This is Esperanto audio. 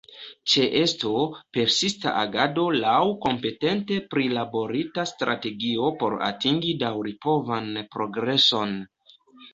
Ĉeesto, persista agado laŭ kompetente prilaborita strategio por atingi daŭripovan progreson.